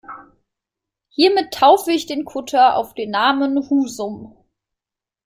Hiermit taufe ich den Kutter auf den Namen Husum.